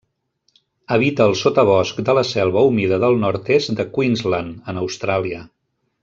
Habita el sotabosc de la selva humida del nord-est de Queensland, en Austràlia.